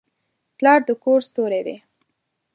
پلار د کور ستوری دی.